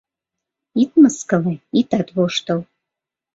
— Ит мыскыле, итат воштыл